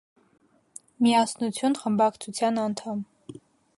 «Միասնություն» խմբակցության անդամ։